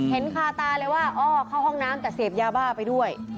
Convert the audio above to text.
คาตาเลยว่าอ้อเข้าห้องน้ำแต่เสพยาบ้าไปด้วย